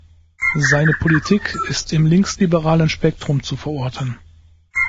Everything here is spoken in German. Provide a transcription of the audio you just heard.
Seine Politik ist im linksliberalen Spektrum zu verorten.